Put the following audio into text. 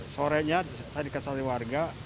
sorenya saya dikasih warga